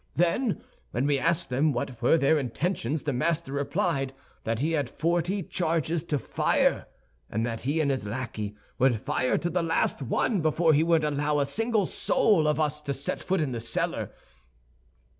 Then, when we asked them what were their intentions, the master replied that he had forty charges to fire, and that he and his lackey would fire to the last one before he would allow a single soul of us to set foot in the cellar.